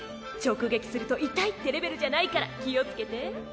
直撃すると痛いってレベルじゃないから気をつけて。